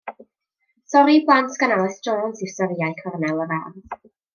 Stori i blant gan Alys Jones yw Storïau Cornel yr Ardd.